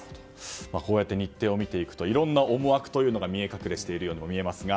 こうやって日程を見ていくといろんな思惑が見え隠れをしているようにも見えますが。